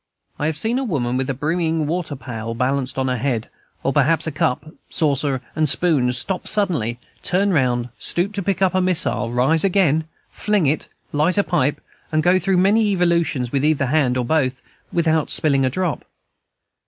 I have seen a woman, with a brimming water pail balanced on her head, or perhaps a cup, saucer, and spoon, stop suddenly, turn round, stoop to pick up a missile, rise again, fling it, light a pipe, and go through many evolutions with either hand or both, without spilling a drop.